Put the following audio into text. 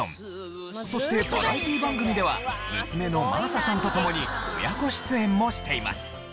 そしてバラエティー番組では娘の真麻さんと共に親子出演もしています。